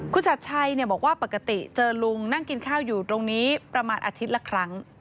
คุณชัดชัยบอกว่าปกติเจอลุงนั่งกินข้าวอยู่ตรงนี้ประมาณอาทิตย์ละครั้ง